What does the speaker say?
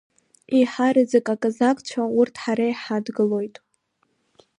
Еиҳараӡак аказакцәа, урҭ ҳара иҳадгылоит…